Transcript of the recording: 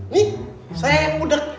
nih saya yang budeg